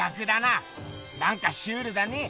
なんかシュールだね。